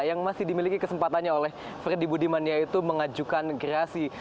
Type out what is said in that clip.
yang masih dimiliki kesempatannya oleh freddy budiman yaitu mengajukan gerasi